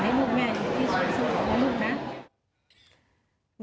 ขอให้ลูกแม่อย่างที่สุดสุดขอให้ลูกนะ